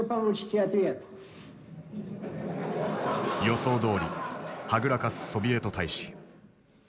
予想どおりはぐらかすソビエト大使。